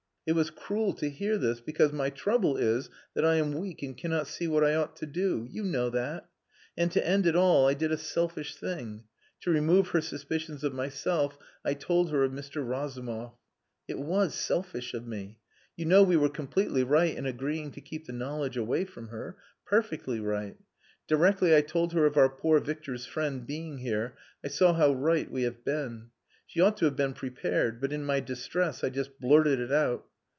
It was cruel to hear this, because my trouble is that I am weak and cannot see what I ought to do. You know that. And to end it all I did a selfish thing. To remove her suspicions of myself I told her of Mr. Razumov. It was selfish of me. You know we were completely right in agreeing to keep the knowledge away from her. Perfectly right. Directly I told her of our poor Victor's friend being here I saw how right we have been. She ought to have been prepared; but in my distress I just blurted it out.